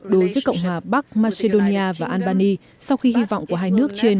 đối với cộng hòa bắc macedonia và albany sau khi hy vọng của hai nước trên